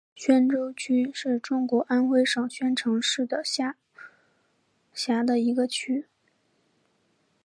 宣州区是中国安徽省宣城市下辖的一个区。